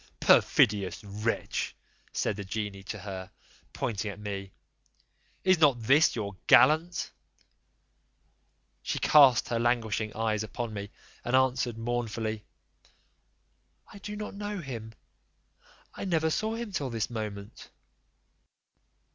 "Perfidious wretch!" said the genie to her, pointing at me, "is not this your gallant?" She cast her languishing eyes upon me, and answered mournfully, "I do not know him, I never saw him till this moment."